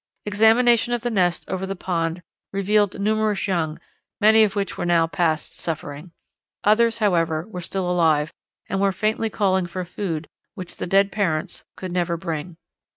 Examination of the nests over the pond revealed numerous young, many of which were now past suffering; others, however, were still alive and were faintly calling for food which the dead parents could never bring.